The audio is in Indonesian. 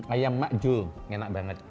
ayam makju enak banget